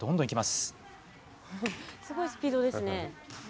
すごいスピードですね。